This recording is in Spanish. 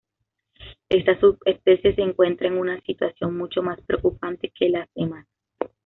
Esta subespecie se encuentra en un situación mucho más preocupante que las demás.